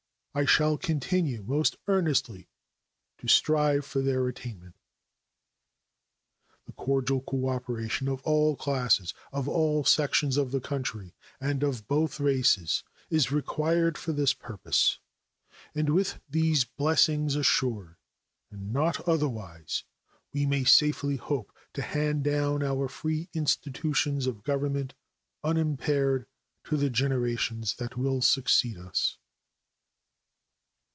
I shall continue most earnestly to strive for their attainment. The cordial cooperation of all classes, of all sections of the country and of both races, is required for this purpose; and with these blessings assured, and not otherwise, we may safely hope to hand down our free institutions of government unimpaired to the generations that will succeed us.